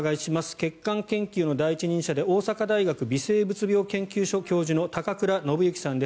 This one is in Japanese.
血管研究の第一人者で大阪大学微生物病研究所教授の高倉伸幸さんです。